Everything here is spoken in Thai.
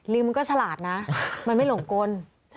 มันก็ฉลาดนะมันไม่หลงกล